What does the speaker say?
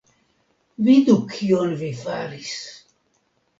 Vidu kion vi faris!